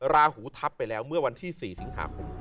ราหูทับไปแล้วเมื่อวันที่๔สิงหาคม